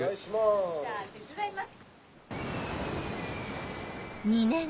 じゃあ手伝います。